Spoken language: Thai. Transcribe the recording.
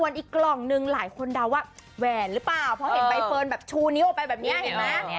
ส่วนอีกกล่องหนึ่งหลายคนเดาว่าแหวนหรือเปล่าเพราะเห็นใบเฟิร์นแบบชูนิ้วออกไปแบบนี้เห็นไหม